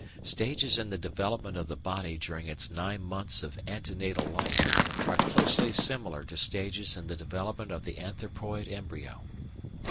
Stages in the development of the body during its nine months of ante natal life are closely similar to stages in the development of the anthropoid embryo.